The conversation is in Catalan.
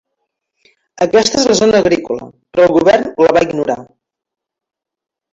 Aquesta és la zona agrícola, però el govern la va ignorar.